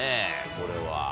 これは。